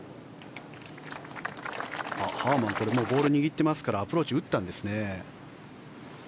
ハーマン、これはもうボールを握っていますからアプローチ打ったんですね。